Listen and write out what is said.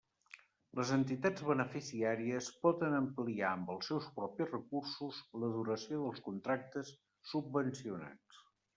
Les entitats beneficiàries poden ampliar amb els seus propis recursos la duració dels contractes subvencionats.